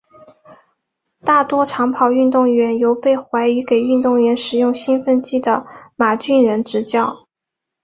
大多长跑运动员由被怀疑给运动员使用兴奋剂的马俊仁执教。